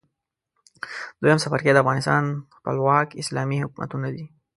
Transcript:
دویم څپرکی د افغانستان خپلواک اسلامي حکومتونه دي.